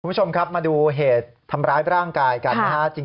คุณผู้ชมครับมาดูเหตุทำร้ายร่างกายกันนะฮะ